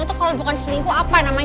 itu kalau bukan selingkuh apa namanya